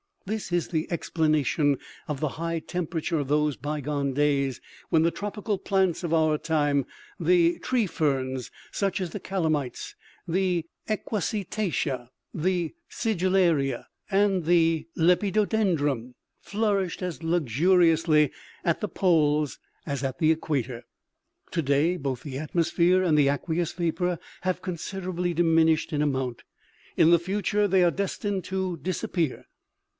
This is the explanation of the high temperature of those bygone days, when the tropical plants of our time, the tree ferns, such as the calamites, the equisetacese, the sigillaria and the lepidodendrons flourished as luxuriously at the poles as at the equator. Today, both the atmos phere and aqueous vapor have considerably diminished in amount. In the future they are destined to disappear.